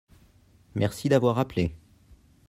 Merci d'avoir appelé.